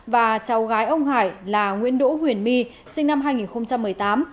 và cháu gái ông hải là nguyễn đỗ huyền my sinh năm hai nghìn một mươi tám